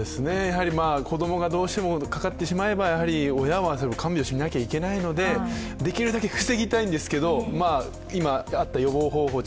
子供がどうしてもかかってしまえば親は看病しなくてはいけないので、できるだけ防ぎたいんですけど今、あった予防方法を